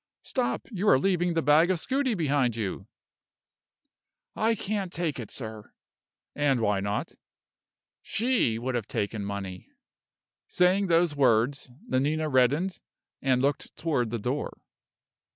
Stop! you are leaving the bag of scudi behind you." "I can't take it, sir." "And why not?" "She would have taken money!" Saying those words, Nanina reddened, and looked toward the door.